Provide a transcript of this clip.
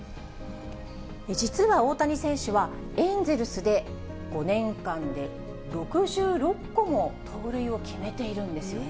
実は大谷選手は、エンゼルスで５年間で６６個も盗塁を決めているんですよね。